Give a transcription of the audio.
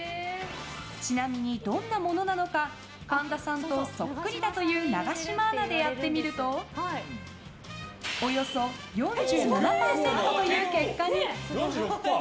ちなみに、どんなものなのか神田さんとそっくりだという永島アナでやってみるとおよそ４７％という結果に。